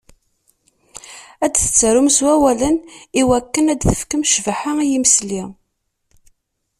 Ad tetturarem s wawalen i wakken ad tefkem ccbaḥa i yimesli.